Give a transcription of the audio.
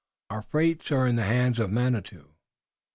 Our fates are in the hands of Manitou."